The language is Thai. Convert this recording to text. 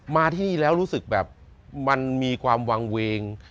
มาที่นี่แล้วรู้สึกแบบมันมีความวางเวง